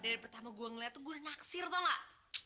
dari pertama gue ngeliat tuh gue naksir atau gak